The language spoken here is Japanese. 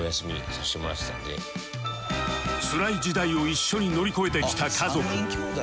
つらい時代を一緒に乗り越えてきた家族